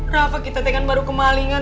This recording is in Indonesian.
rafa kita tekan baru kemalingan